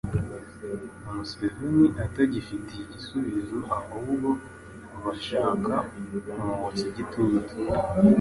Museveni atagifitiye igisubizo ahubwo bashaka kumwotsa igitutu